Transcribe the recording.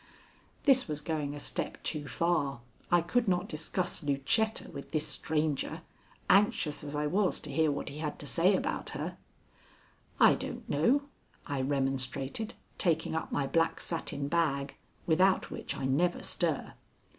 This was going a step too far. I could not discuss Lucetta with this stranger, anxious as I was to hear what he had to say about her. "I don't know," I remonstrated, taking up my black satin bag, without which I never stir.